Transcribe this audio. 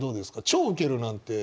「超ウケる」なんて。